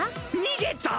逃げた！